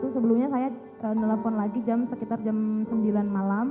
sebelumnya saya telepon lagi jam sekitar jam sembilan malam